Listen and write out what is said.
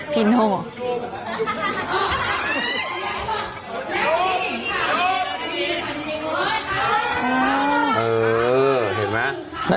พี่โน้ม